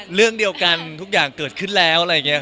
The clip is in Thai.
เรื่องเดียวกันทุกอย่างเกิดขึ้นแล้วอะไรอย่างนี้